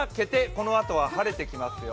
このあとは晴れていきますよ。